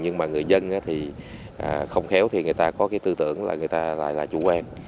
nhưng mà người dân thì không khéo thì người ta có cái tư tưởng là người ta lại là chủ quan